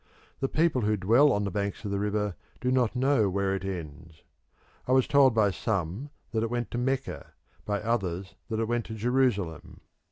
The people who dwell on the banks of the river do not know where it ends. I was told by some that it went to Mecca, by others that it went to Jerusalem.